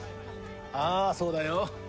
ああそうだよ。